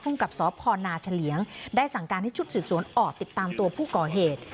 กับสพนาเฉลียงได้สั่งการให้ชุดสืบสวนออกติดตามตัวผู้ก่อเหตุ